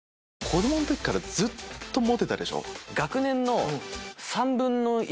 子供の時からずっとモテたでしょ？